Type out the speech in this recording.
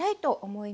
はい。